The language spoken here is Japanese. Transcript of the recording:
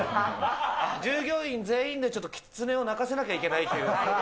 従業員全員でちょっときつねをなかせなきゃいけないっていう。